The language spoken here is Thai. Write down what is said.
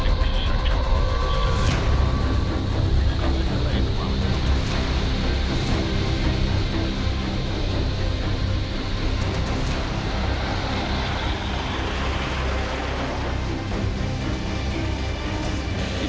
โรงพยาบาลวิทยาศาสตรี